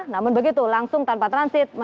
namun begitu langsung ke bandara internasional juanda